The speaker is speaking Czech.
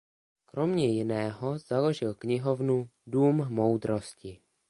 Kromě jiného založil knihovnu Dům moudrosti.